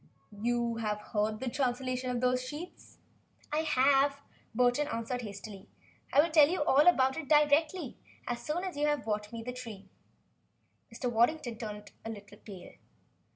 "You have heard the translation of those sheets?" "I have," Burton answered hastily. "I will tell you all about it directly as soon as you have brought me the tree." Mr. Waddington had turned a little pale.